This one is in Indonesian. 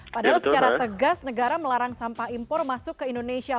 padahal secara tegas negara melarang sampah impor masuk ke indonesia